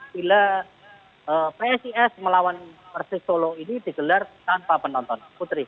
dan psis melawan persis solo ini digelar tanpa penonton